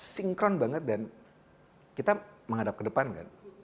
sinkron banget dan kita menghadap ke depan kan